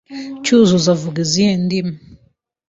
Cyuzuzo avuga izihe ndimi?